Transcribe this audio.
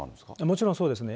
もちろんそうですね。